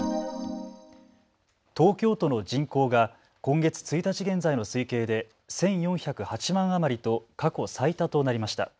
東京都の人口が今月１日現在の推計で１４０８万余りと過去最多となりました。